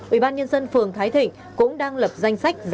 ubnd phường thái thịnh cũng đang lập danh sách